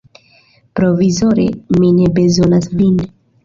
Provizore mi ne bezonas vin.